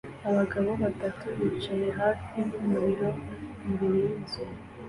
Abagabo batatu bicaye hafi yumuriro imbere yinzu